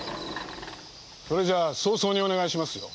それじゃ早々にお願いしますよ。